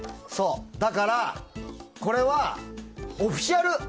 だからこれはオフィシャル。